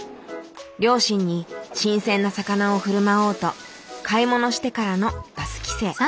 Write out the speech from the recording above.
両親に新鮮な魚を振る舞おうと買い物してからのバス帰省。